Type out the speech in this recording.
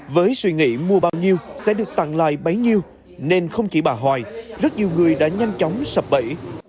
với suy nghĩ mua bao nhiêu sẽ được tặng lại bấy nhiêu nên không chỉ bà hoài rất nhiều người đã nhanh chóng sập bẫy